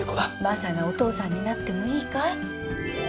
マサがお父さんになってもいいかい？